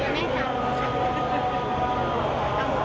ตอนนี้เป็นครั้งหนึ่งครั้งหนึ่ง